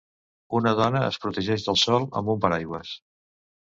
Una dona es protegeix del sol amb un paraigües.